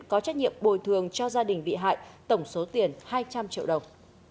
có trách nhiệm bồi thường cho gia đình bị hại tổng số tiền hai trăm linh triệu đồng